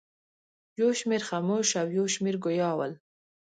یو شمېر خموش او یو شمېر ګویا ول.